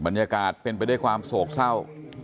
บรรยากาศเป็นไปด้วยความโศกเศร้า